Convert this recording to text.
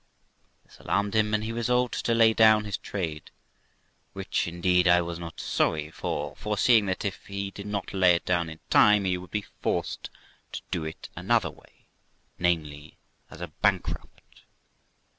This alarmed him, and he resolved to lay down his trade ; which, indeed, I was not sorry for; foreseeing that if he did not lay it down in time, he would be forced to do it another way, namely, as a bankrupt.